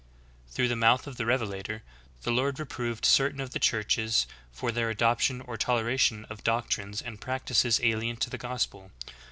3. Through the mouth of the Revelator, the Lord re proved certain of the churches for their adoption or tolera tion of doctrines and practices alien to the gospel.